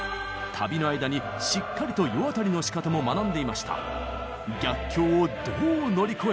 旅の間にしっかりと世渡りのしかたも学んでいました。